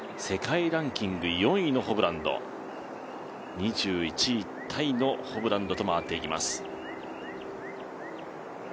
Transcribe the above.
世界ランキング４位のホブランド、２１位タイのホブランドと回っていきます。